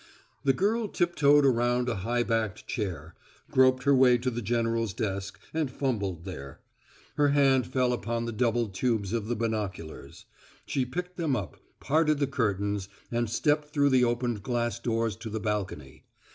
The girl tiptoed around a high backed chair, groped her way to the general's desk, and fumbled there. Her hand fell upon the double tubes of the binoculars. She picked them up, parted the curtains, and stepped through the opened glass doors to the balcony.